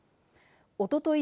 おととい